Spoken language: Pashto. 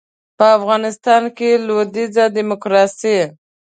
په افغانستان کې لویدیځه ډیموکراسي